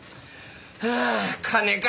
はあ金か！